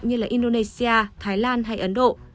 như là indonesia thái lan hay ấn độ